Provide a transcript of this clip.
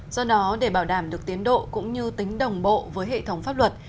do đó để bảo đảm được tiến độ cũng như tính đồng bộ với hệ thống pháp luật